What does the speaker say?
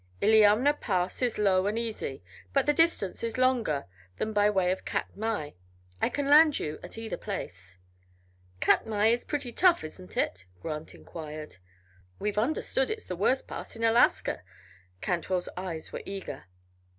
Illiamna Pass is low and easy, but the distance is longer than by way of Katmai. I can land you at either place." "Katmai is pretty tough, isn't it?" Grant inquired. "We've understood it's the worst pass in Alaska." Cantwell's eyes were eager.